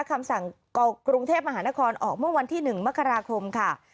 คำสั่งกรุงเทพมหานครออกเมื่อวันที่๑มกราคมค่ะ